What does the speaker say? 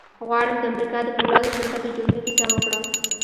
غواړم د امريکا د پولادو شرکت د جوړېدو کيسه وکړم.